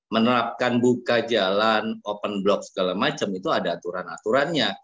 menerapkan buka jalan open block segala macam itu ada aturan aturannya